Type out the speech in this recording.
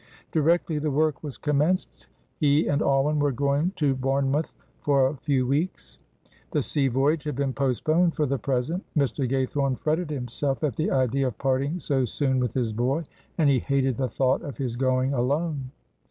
Directly the work was commenced he and Alwyn were going to Bournemouth for a few weeks. The sea voyage had been postponed for the present. Mr. Gaythorne fretted himself at the idea of parting so soon with his boy, and he hated the thought of his going alone.